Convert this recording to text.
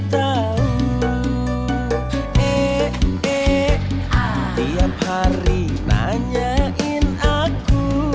setiap hari nanyain aku